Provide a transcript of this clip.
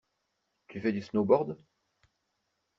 Tu fais du snowboard?